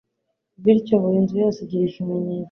Bityo buri nzu yose igira ikimenyetso